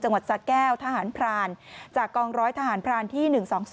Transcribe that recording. สะแก้วทหารพรานจากกองร้อยทหารพรานที่๑๒๒